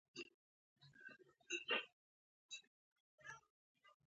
لاړ دې شي.